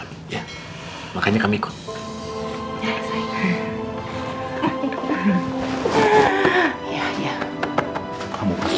iya ya baiklah